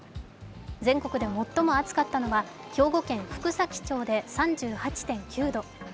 全国で最も暑かったのは兵庫県福崎町で３８．９度。